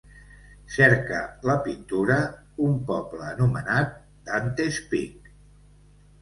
Cerca la pintura Un poble anomenat Dante's Peak.